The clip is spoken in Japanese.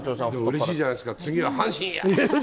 うれしいじゃないですか、次は阪神やって。